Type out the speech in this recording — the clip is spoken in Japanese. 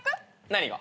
何が？